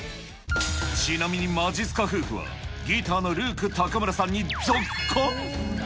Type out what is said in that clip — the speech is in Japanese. ちなみにまじっすか夫婦は、ギターのルーク篁さんにぞっこん。